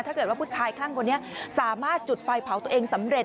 ถ้าเกิดว่าผู้ชายคลั่งคนนี้สามารถจุดไฟเผาตัวเองสำเร็จ